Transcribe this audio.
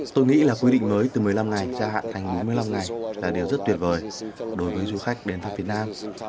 tôi nghĩ là quy định mới từ một mươi năm ngày ra hạn thành bốn mươi năm ngày là điều rất tuyệt vời đối với du khách đến pháp việt nam